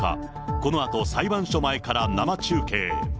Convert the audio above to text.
このあと、裁判所前から生中継。